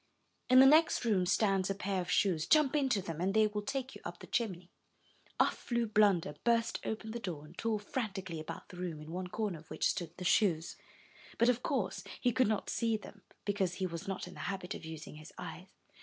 In the next room stands a pair of shoes. Jump into them, and they will take you up the chimney." Off flew Blunder, burst open the door, and tore frantically about the room, in one corner of which stood the shoes; but of course he could not see them, because he was not in the habit of using his eyes.